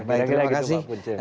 oke baik terima kasih pak punca